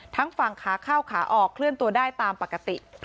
ทั้งฝั่งขาเข้าขาออกเคลื่อนตัวได้ตามปกติ